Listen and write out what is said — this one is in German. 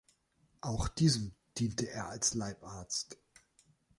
Auch diesem diente er als Leibarzt.